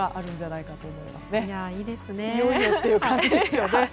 いよいよという感じですね。